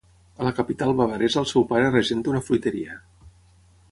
A la capital bavaresa el seu pare regenta una fruiteria.